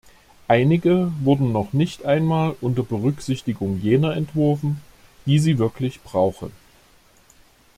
Einige wurden noch nicht einmal unter Berücksichtigung jener entworfen, die sie wirklich brauchen.